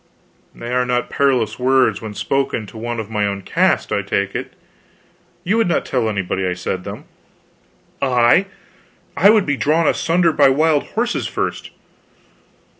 "They are not perilous words when spoken to one of my own caste, I take it. You would not tell anybody I said them?" "I? I would be drawn asunder by wild horses first."